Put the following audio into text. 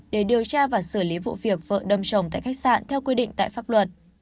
để điều tra và xử lý vụ việc vợ đâm chồng tại khách sạn theo quy định tại pháp luật